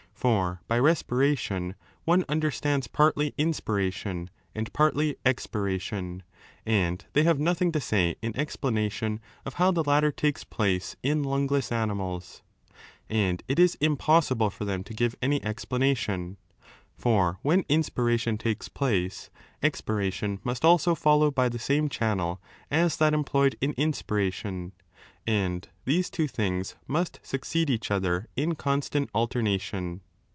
For by respiration one understands partly in spiration and partly expiration, and they have nothing to say in explanation of how the latter takes place 4 in lungless animals. And it is impossible for them 2S8 CHAP. n. AQUATIC ANIMALS 289 to give any explanation. For when inspiration takes place, expiration must also follow by the same channel as that employed in inspiration, and these two things most succeed each other in constant alternation.